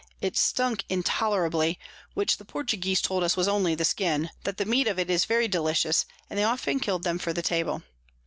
It stunk intolerably, which the Portuguese told us was only the Skin; that the Meat of it is very delicious, and they often kill'd them for the Table.